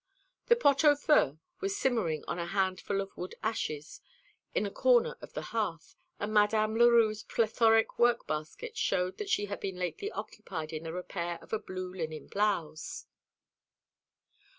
The pot au feu was simmering on a handful of wood ashes in a corner of the hearth; and Madame Leroux's plethoric work basket showed that she had been lately occupied in the repair of a blue linen blouse.